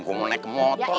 gua mau naik motor